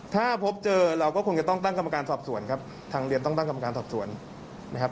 ถ้าพบเจอเราก็คงจะต้องตั้งกรรมการสอบสวนครับทางเรียนต้องตั้งกรรมการสอบสวนนะครับ